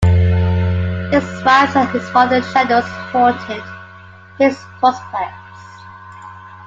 His wife's and his father's shadows haunted his prospects.